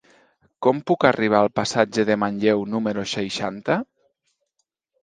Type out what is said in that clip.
Com puc arribar al passatge de Manlleu número seixanta?